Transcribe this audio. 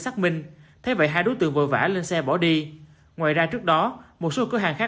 xác minh thế vậy hai đối tượng vội vã lên xe bỏ đi ngoài ra trước đó một số cửa hàng khác